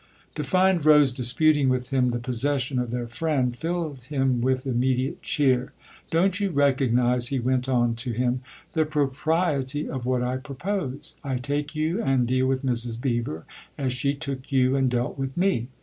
To find Rose disputing with him the possession of their friend filled him with imme diate cheer. " Don't you recognise," he went on to him, " the propriety of what I propose ? I take you and deal with Mrs. Beever, as she took you and dealt with me.